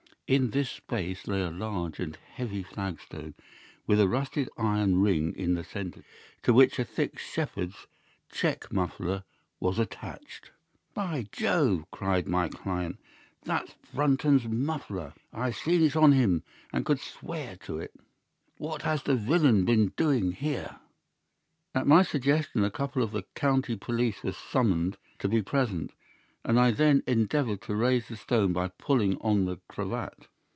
In this space lay a large and heavy flagstone with a rusted iron ring in the centre to which a thick shepherd's check muffler was attached. "'By Jove!' cried my client. 'That's Brunton's muffler. I have seen it on him, and could swear to it. What has the villain been doing here?' "At my suggestion a couple of the county police were summoned to be present, and I then endeavoured to raise the stone by pulling on the cravat.